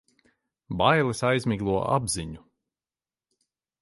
Bailes aizmiglo apziņu.